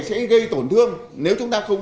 sẽ gây tổn thương nếu chúng ta không